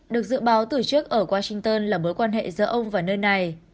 được dự báo tử trức ở washington là mối quan hệ giữa ông và nơi này